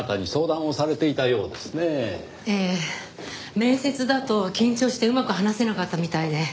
面接だと緊張してうまく話せなかったみたいで。